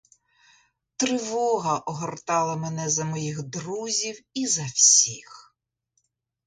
Тривога огортала мене за моїх друзів і за всіх.